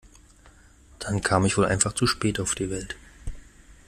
Dann kam ich wohl einfach zu spät auf die Welt.